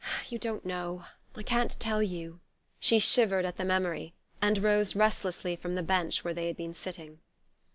You don't know.... I can't tell you...." She shivered at the memory, and rose restlessly from the bench where they had been sitting.